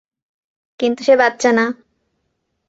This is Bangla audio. কিন্তু সে বাচ্চা না।